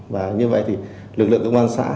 và như vậy lực lượng công an xã